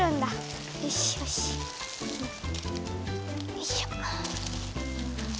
よいしょ。